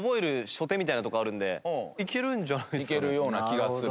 いけるような気がする。